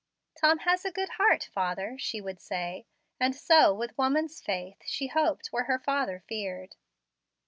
"Tom has a good heart, father," she would say; and so, with woman's faith, she hoped where her father feared.